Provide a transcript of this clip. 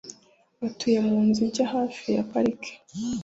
Batuye munzu nshya hafi ya parike.